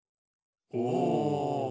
お！